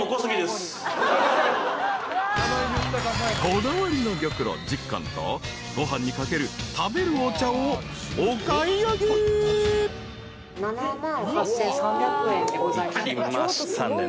［こだわりの玉露１０缶とご飯にかける食べるお茶をお買い上げ］いきましたね。